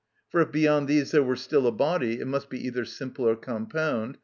For if beyond these there were still a body, it must either be simple or compound.